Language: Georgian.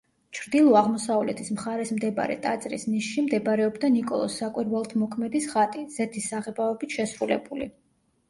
ჩრდილო-აღმოსავლეთის მხარეს მდებარე ტაძრის ნიშში მდებარეობდა ნიკოლოზ საკვირველთმოქმედის ხატი, ზეთის საღებავებით შესრულებული.